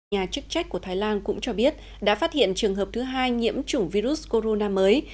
nhà chức trách của thái lan cũng cho biết đã phát hiện trường hợp thứ hai nhiễm chủng virus corona mới